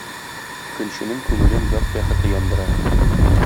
Көнченең күңелен ят бәхете яндыра.